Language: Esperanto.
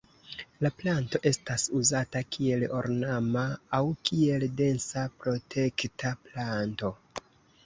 La planto estas uzata kiel ornama aŭ kiel densa protekta planto.